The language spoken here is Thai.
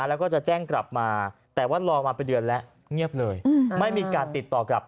แล้วก็จะแจ้งกลับมาแต่ว่ารอมาเป็นเดือนแล้วเงียบเลยไม่มีการติดต่อกลับ